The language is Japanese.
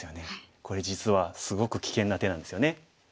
これ実はすごく危険な手なんですよね。